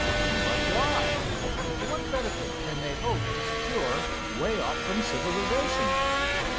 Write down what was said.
"But why? What benefit can they hope to secure way off from civilization?"